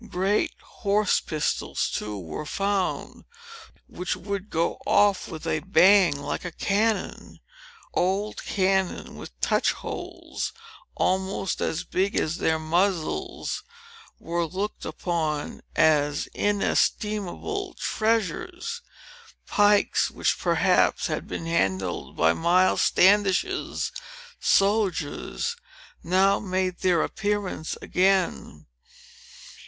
Great horse pistols, too, were found, which would go off with a bang like a cannon. Old cannon, with touch holes almost as big as their muzzles, were looked upon as inestimable treasures. Pikes, which perhaps, had been handled by Miles Standish's soldiers, now made their appearance again.